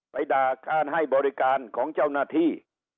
ไปด่าการให้บริการของเจ้าหน้าที่